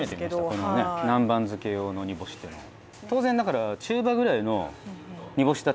このね南蛮漬け用の煮干しってのは。